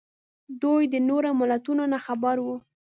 دوی د نورو ملتونو نه خبر وو